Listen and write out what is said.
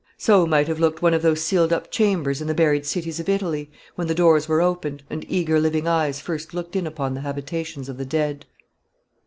So might have looked one of those sealed up chambers in the buried cities of Italy, when the doors were opened, and eager living eyes first looked in upon the habitations of the dead.